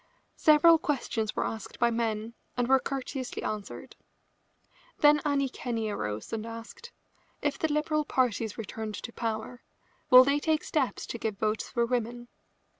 Several questions were asked by men and were courteously answered. Then Annie Kenney arose and asked: "If the Liberal party is returned to power, will they take steps to give votes for women?"